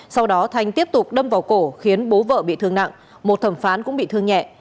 sau đó thanh tiếp tục đâm vào cổ khiến bố vợ bị thương nặng một thẩm phán cũng bị thương nhẹ